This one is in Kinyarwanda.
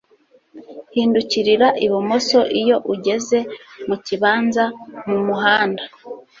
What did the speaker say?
Hindukirira ibumoso iyo ugeze mukibanza mumuhanda